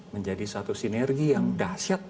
menjadi satu sinergi yang dahsyat